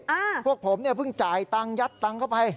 พวกผมเนี่ยเพิ่งจ่ายตังค์ยัดตังค์เข้าไป